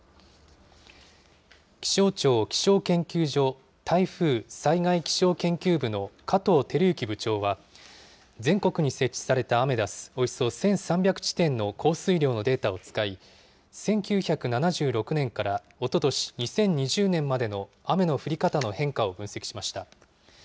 気象庁気象研究所台風・災害気象研究部の加藤輝之部長は、全国に設置されたアメダスおよそ１３００地点の降水量のデータを使い、１９７６年からおととし２０２０年までの雨の降り方の変化を分析しました。